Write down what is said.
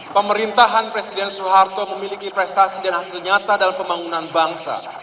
pemerintahan presiden soeharto memiliki prestasi dan hasil nyata dalam pembangunan bangsa